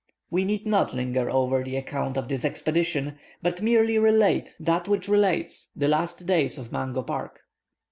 We need not linger over the account of this expedition, but merely relate that which concerns the last days of Mungo Park.